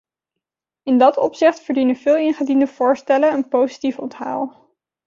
In dat opzicht verdienen veel ingediende voorstellen een positief onthaal.